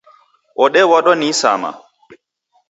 Odewadwa ni isama